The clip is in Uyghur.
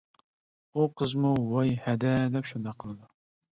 ئۇ قىزمۇ ۋاي ھەدە دەپ شۇنداق قىلىدۇ.